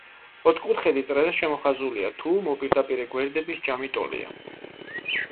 ოთხკუთხედი წრეზე შემოხაზულია, თუ მოპირდაპირე გვერდების ჯამი ტოლია.